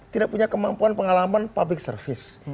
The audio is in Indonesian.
tidak punya kemampuan pengalaman public service